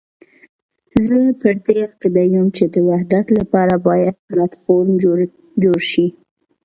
زه پر دې عقيده یم چې د وحدت لپاره باید پلاټ فورم جوړ شي.